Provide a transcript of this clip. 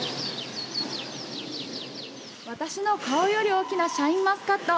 私の顔より大きなシャインマスカット。